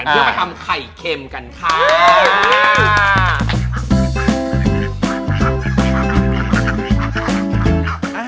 เพื่อมาทำไข่เค็มกันค่ะ